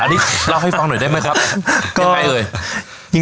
อันนี้เล่าให้ฟังหน่อยได้ไหมครับใกล้เลย